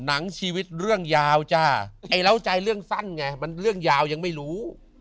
หนังชีวิตเรื่องยาวจ้าไอ้เล่าใจเรื่องสั้นไงมันเรื่องยาวยังไม่รู้